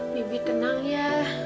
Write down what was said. bibi tenang ya